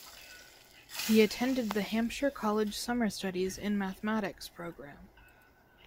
He attended the Hampshire College Summer Studies in Mathematics program.